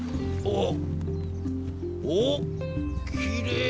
おお。おっきれい！